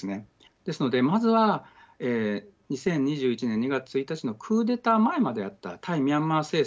ですのでまずは２０２１年２月１日のクーデター前まであった対ミャンマー政策